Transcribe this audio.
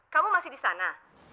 kamu masih di sana